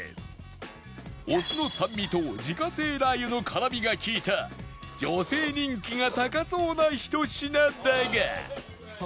お酢の酸味と自家製ラー油の辛みが利いた女性人気が高そうなひと品だが